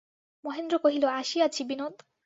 মহেন্দ্র কহিল, আসিয়াছি, বিনোদ।